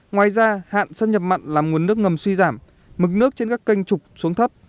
ngoài ra hạn xâm nhập mặn làm nguồn nước ngầm suy giảm mực nước trên các kênh trục xuống thấp